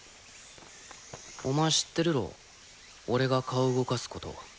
お前知ってるろ俺が顔動かすこと。